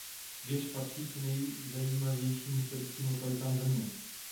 Věž patří k nejzajímavějším historickým lokalitám země.